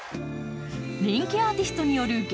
人気アーティストによる激